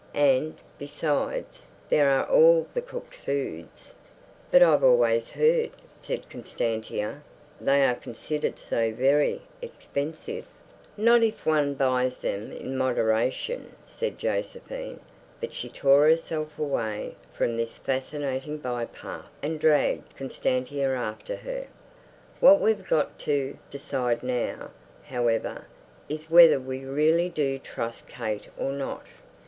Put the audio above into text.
"And, besides, there are all the cooked foods." "But I've always heard," said Constantia, "they are considered so very expensive." "Not if one buys them in moderation," said Josephine. But she tore herself away from this fascinating bypath and dragged Constantia after her. "What we've got to decide now, however, is whether we really do trust Kate or not."